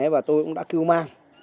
và tôi cũng đã cứu ma